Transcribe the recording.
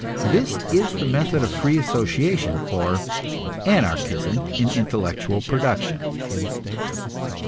This is the method of free association, or "Anarchism in intellectual production."